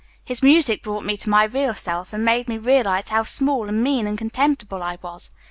His music brought me to my real self and made me realize how small and mean and contemptible I was.